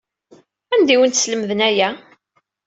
Anda ay awen-slemden aya?